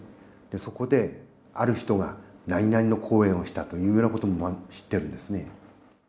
そこで、ある人が何々の講演をしたというようなことも知ってるんですね。